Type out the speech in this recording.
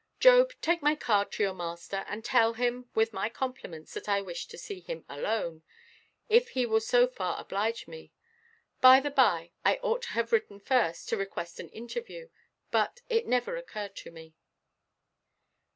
"Job, take my card to your master; and tell him, with my compliments, that I wish to see him alone, if he will so far oblige me. By–the–by, I ought to have written first, to request an interview; but it never occurred to me."